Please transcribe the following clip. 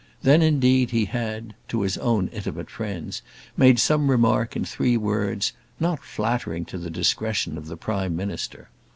Then, indeed, he had, to his own intimate friends, made some remark in three words, not flattering to the discretion of the Prime Minister.